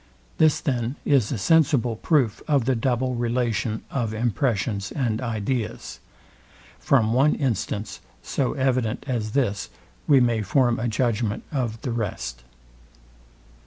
This then is a sensible proof of the double relation of impressions and ideas. From one instance so evident as this we may form a judgment of the rest.